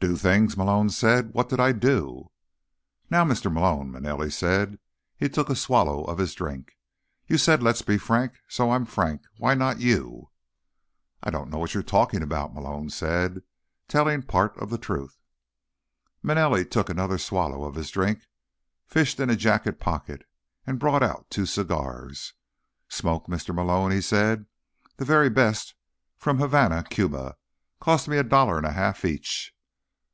"Do things?" Malone said. "What did I do?" "Now, Mr. Malone," Manelli said. He took a swallow of his drink. "You said let's be frank, so I'm frank. Why not you?" "I don't know what you're talking about," Malone said, telling part of the truth. Manelli took another swallow of his drink, fished in a jacket pocket and brought out two cigars. "Smoke, Mr. Malone?" he said. "The very best, from Havana, Cuba. Cost me a dollar and a half each."